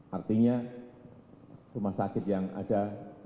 artinya rumah sakit yang ada